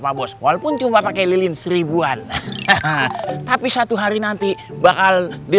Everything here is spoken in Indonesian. mabos walaupun cuma pakai lilin seribuan tapi satu hari nanti bakal di